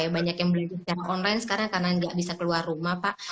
yang banyak yang beli jualan online sekarang karena nggak bisa keluar rumah pak